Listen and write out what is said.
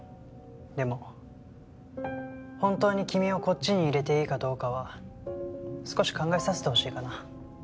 でも本当に君をこっちに入れていいかどうかは少し考えさせてほしいかな。